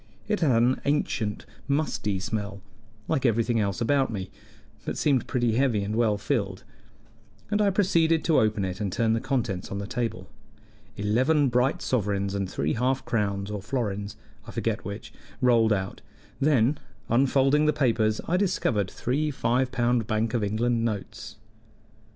It had an ancient, musty smell, like everything else about me, but seemed pretty heavy and well filled, and I proceeded to open it and turn the contents on the table. Eleven bright sovereigns and three half crowns or florins, I forget which, rolled out; then, unfolding the papers, I discovered three five pound Bank of England notes.